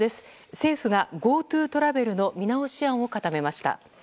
政府がＧｏＴｏトラベルの見直し案を固めました。